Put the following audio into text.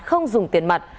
không dùng tiền mặt